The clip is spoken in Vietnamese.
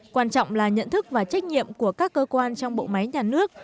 quan trọng là nhận thức và trách nhiệm của các cơ quan trong bộ máy nhà nước